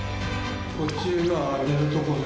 こっちが寝るとこで。